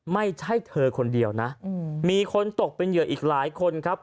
ไม่ใช่เธอคนเดียวนะมีคนตกเป็นเหยื่ออีกหลายคนครับ